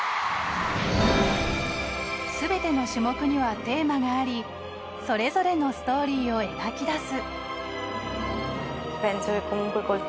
全ての種目にはテーマがありそれぞれのストーリーを描き出す。